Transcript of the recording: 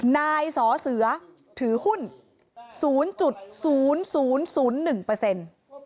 นายสอเสือถือหุ้น๐๐๐๐๑